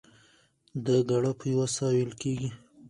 دا ګړه په یوه ساه وېل کېږي.